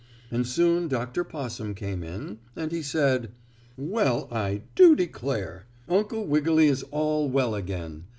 And soon Dr. Possum came in, and he said: "Well, I do declare! Uncle Wiggily is all well again.